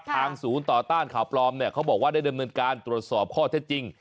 ทางศูนย์ต่อต้านข่าวปลอมเนี่ยเขาบอกว่าได้ดำเนินการตรวจสอบข้อเท็จจริง